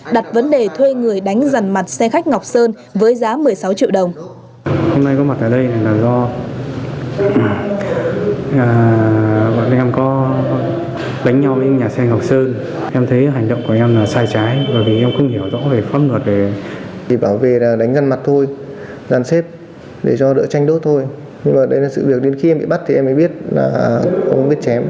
đặt vấn đề thuê người đánh rằn mặt xe khách ngọc sơn với giá một mươi sáu triệu đồng